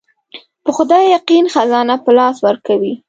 په خدای يقين خزانه په لاس ورکوي.